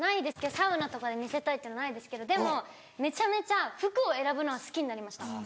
サウナとかで見せたいっていうのないですけどでもめちゃめちゃ服を選ぶのは好きになりました。